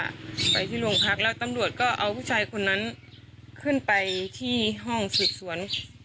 ไปที่โรงพักแล้วตำรวจก็เอาผู้ชายคนนั้นขึ้นไปที่ห้องสืบสวน